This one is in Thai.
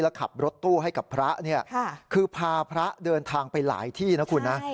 แล้วขับรถตู้ให้กับพระเนี่ยคือพาพระเดินทางไปหลายที่นะคุณนะ